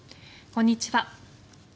こんにちは。